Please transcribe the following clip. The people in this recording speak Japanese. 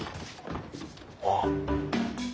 あっ。